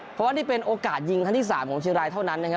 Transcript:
เพราะว่านี่เป็นโอกาสยิงครั้งที่๓ของเชียงรายเท่านั้นนะครับ